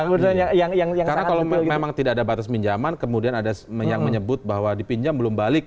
karena kalau memang tidak ada batas peminjaman kemudian ada yang menyebut bahwa dipinjam belum balik